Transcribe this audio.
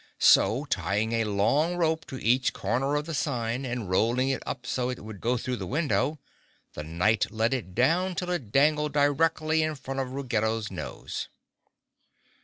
So, tying a long rope to each corner of the sign, and rolling it up so it would go through the window, the Knight let it down till it dangled directly in front of Ruggedo's nose.